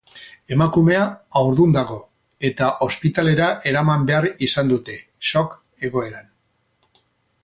Emakumea haurdun dago, eta ospitalera eraman behar izan dute, shock egoeran.